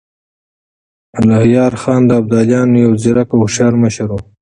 الهيار خان د ابدالیانو يو ځيرک او هوښیار مشر و.